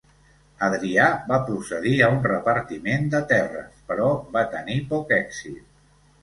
Adrià va procedir a un repartiment de terres però va tenir poc èxit.